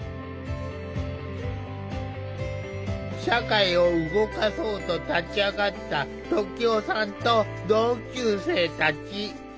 社会を動かそうと立ち上がった時男さんと同級生たち。